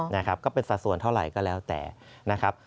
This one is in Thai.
นะครับก็เป็นสัดส่วนเท่าไหร่ก็แล้วแต่นะครับ